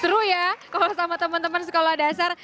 seru ya kalau sama teman teman sekolah dasar